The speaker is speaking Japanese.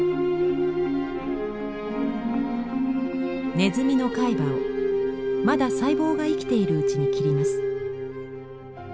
ネズミの海馬をまだ細胞が生きているうちに切ります。